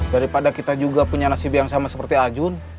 daripada kita juga punya nasib yang sama seperti ajun